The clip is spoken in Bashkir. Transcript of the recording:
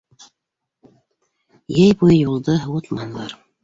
Йәй буйы юлды һыуытманылар.